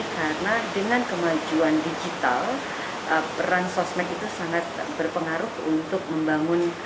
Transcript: karena dengan kemajuan digital peran sosial itu sangat berpengaruh untuk membangun